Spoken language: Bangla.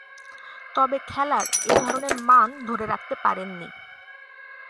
তবে, খেলার এ ধরনের মান ধরে রাখতে পারেননি।